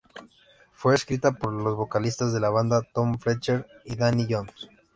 Fue escrita por los vocalistas de la banda Tom Fletcher y Danny Jones.